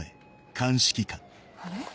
あれ？